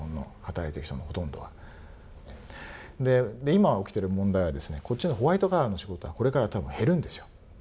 今起きてる問題はですねこっちのホワイトカラーの仕事はこれからたぶん減るんですよ。